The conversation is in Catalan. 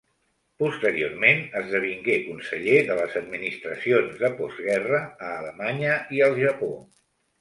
Posteriorment, esdevingué conseller de les administracions de postguerra a Alemanya i al Japó.